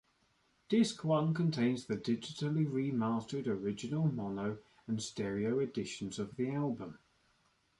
Disc one contains the digitally remastered original mono and stereo editions of the album.